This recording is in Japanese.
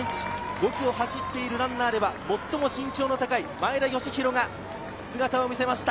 ５区を走るランナーでは最も身長の高い前田義弘が姿を見せました。